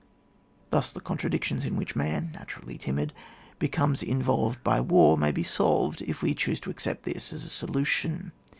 Thus the contradictions in which man, naturally timid, becomes involyed by war, may be solved, if we choose to accept this as a solution.